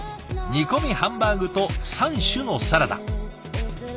煮込みハンバーグと３種のサラダ。